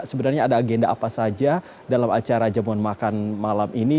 sebenarnya ada agenda apa saja dalam acara jamuan makan malam ini